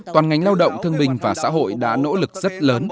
toàn ngành lao động thương bình và xã hội đã nỗ lực rất lớn